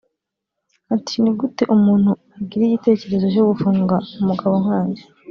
Ati “Ni gute umuntu agira igitekerezo cyo gufunga umugabo nkanjye